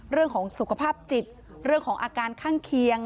เรื่องของสุขภาพจิตเรื่องของอาการข้างเคียง